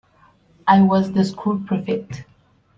I was the school prefect.